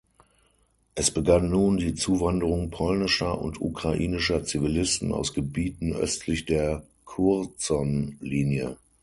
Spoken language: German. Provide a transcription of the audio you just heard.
Es begann nun die Zuwanderung polnischer und ukrainischer Zivilisten aus Gebieten östlich der Curzon-Linie.